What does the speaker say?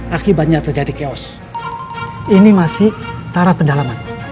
akibatnya terjadi chaos ini masih tara pendalaman